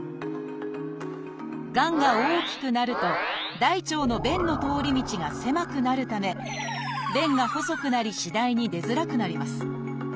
がんが大きくなると大腸の便の通り道が狭くなるため便が細くなり次第に出づらくなります。